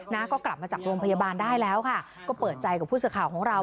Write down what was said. นะก็กลับมาจากโรงพยาบาลได้แล้วค่ะก็เปิดใจกับผู้สื่อข่าวของเรา